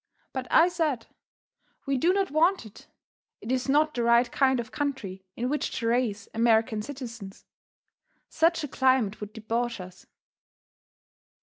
But I said: "We do not want it; it is not the right kind of country in which to raise American citizens. Such a climate would debauch us.